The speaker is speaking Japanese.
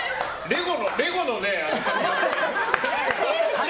レゴの、人。